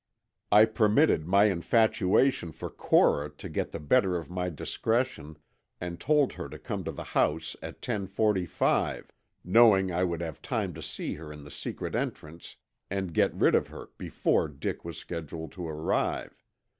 I permitted my infatuation for Cora to get the better of my discretion, and told her to come to the house at ten forty five, knowing I would have time to see her in the secret entrance and get rid of her before Dick was scheduled to arrive.